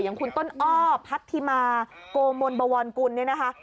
เป็นเหยื่ออย่างคุณต้นอ้อพัฒน์ธิมาโกมนบวรรณกุลเนี่ยนะคะ